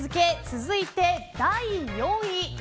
続いて第４位。